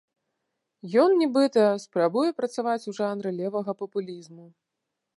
Ён, нібыта, спрабуе працаваць у жанры левага папулізму.